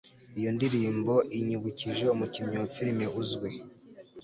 Iyo ndirimbo inyibukije umukinnyi wa firime uzwi